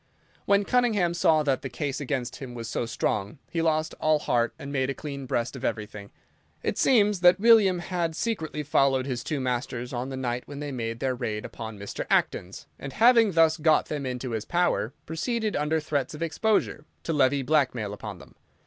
When Cunningham saw that the case against him was so strong he lost all heart and made a clean breast of everything. It seems that William had secretly followed his two masters on the night when they made their raid upon Mr. Acton's, and having thus got them into his power, proceeded, under threats of exposure, to levy blackmail upon them.